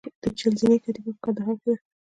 د چهل زینې کتیبه په کندهار کې ده